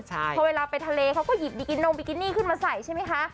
เพราะเวลาไปทะเลเขาก็หยิบบิกินงบิกินี่ขึ้นมาใส่ใช่ไหมคะ